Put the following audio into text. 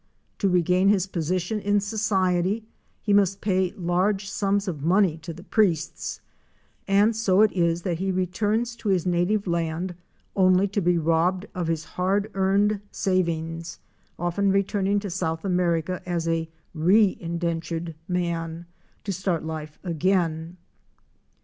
To regain his position in society he must pay large sums of money to the priests; and so it is that he returns to his native land only to be robbed of his hard earned savings, often returning to South America as a re indentured man, to start life again.